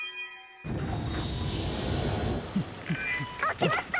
「あきました！」。